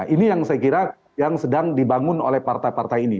ini yang saya kira yang sedang dibangun oleh partai partai ini